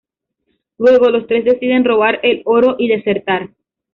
Luego, los tres deciden robar el oro y desertar.